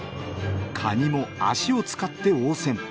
カニも脚を使って応戦。